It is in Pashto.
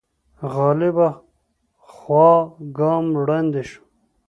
غالبه خوا ګام وړاندې شو